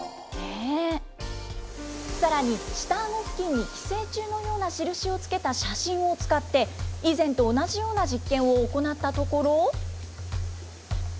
さらに、下あご付近に寄生虫のようなしるしをつけた写真を使って、以前と同じような実験を行ったところ。